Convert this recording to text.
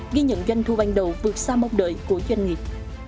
ghi nhận doanh thu ban đầu vượt xa mong đợi của doanh nghiệp